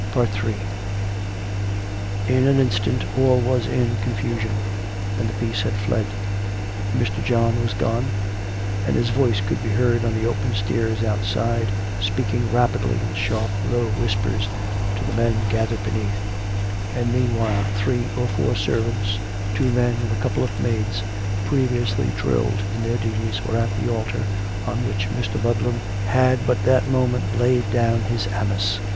Ill In an instant all was in confusion; and the peace had fled. Mr. John was gone; and his voice could be heard on the open stairs outside speaking rapidly in sharp, low whispers to the men gathered beneath; and, meanwhile, three or four servants, two men and a couple of maids, previously drilled in their duties, were at the altar, on which Mr. Ludlam had but that moment laid down his amice.